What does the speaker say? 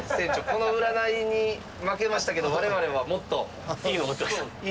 この占いに負けましたけど我々はもっといいの見れたんで。